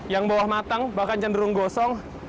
yang bawah matang bahkan cenderung gosong